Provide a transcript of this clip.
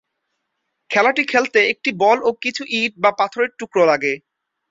খেলাটি খেলতে একটি বল ও কিছু ইট বা পাথরের টুকরো লাগে।